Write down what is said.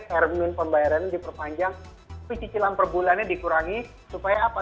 kalau bayarannya diperpanjang tapi cicilan perbulannya dikurangi supaya apa